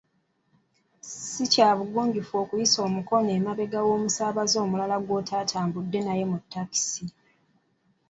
Si kya bugunjufu okuyisa omukono emabega w’omusaabaze omulala gw’otatambudde naye mu takisi.